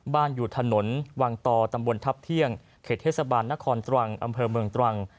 อยู่ถนนวังตอตำบลทัพเที่ยงเขตเทศบาลนครตรังอำเภอเมืองตรัง